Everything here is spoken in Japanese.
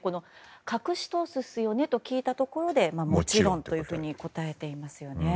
隠し通すっすよね？と聞いたところでもちろんと答えていますよね。